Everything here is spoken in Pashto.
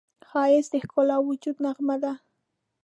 ښایست د ښکلي وجود نغمه ده